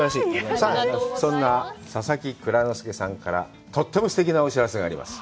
さあ、そんな佐々木蔵之介さんからとってもすてきなお知らせがあります。